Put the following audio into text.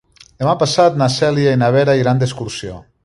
Demà passat na Cèlia i na Vera iran d'excursió.